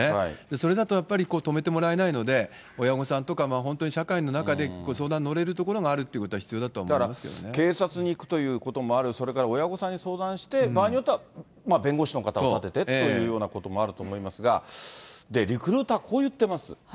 それだと止めてもらえないので、親御さんとか本当に社会の中で相談に乗れるところがあるっていうだから警察に行くということもある、それから親御さんに相談して、場合によっては弁護士の方を立ててっていうこともあると思いますが、リクルーターはこう言ってます。